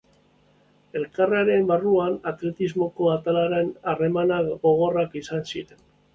Elkartearen barruan, atletismoko atalaren harremanak gogorrak izan ziren.